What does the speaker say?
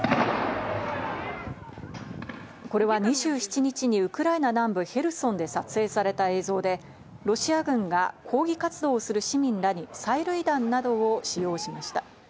これは２７日にウクライナ南部ヘルソンで撮影された映像で、ロシア軍が抗議活動する市民らに催涙弾などを使用しました。